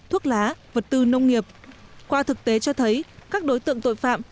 thuốc lá vật tư nông nghiệp qua thực tế cho thấy các đối tượng tội phạm